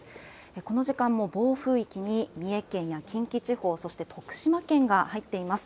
この時間も暴風域に三重県や近畿地方、そして徳島県が入っています。